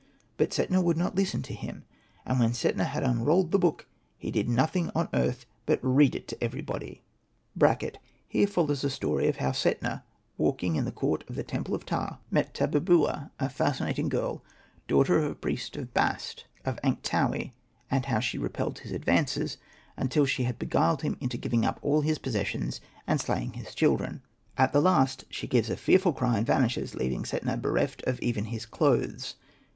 '' But Setna would not listen to him ; and when ~ Setna had unrolled the book he did nothing on earth but read it to everybody. [Here follows a story of how Setna, walk ing in the court of the temple of Ptah, met Kosted by Google SETNA AND THE MAGIC BOOK 113 Tabubua, a fascinating girl, daughter of a priest of Bast^ of Ankhtaui ; how she re pelled his advances, until she had beguiled him into giving up all his possessions, and SETNA READING THE ROLL. slaying his children. At the last she gives a fearful cry and vanishes, leaving Setna bereft of even his clothes.